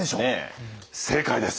正解です。